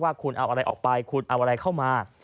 ว่าคุณเอาอะไรออกไปคุณเอาอะไรเข้ามา